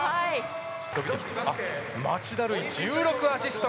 町田瑠唯、１６アシスト。